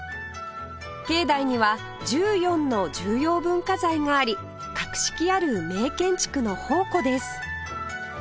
境内には１４の重要文化財があり格式ある名建築の宝庫です